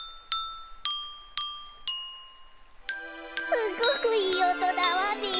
すごくいいおとだわべ！